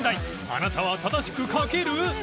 あなたは正しく描ける？